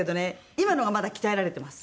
今の方がまだ鍛えられてます。